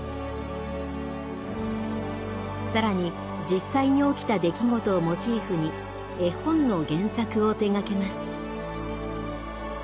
更に実際に起きた出来事をモチーフに絵本の原作を手がけます。